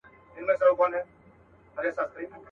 بلکي ځکه چي ته له خپله ځان سره نه یې